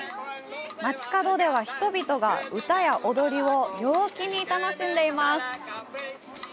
街角では人々が歌や踊りを陽気に楽しんでいます。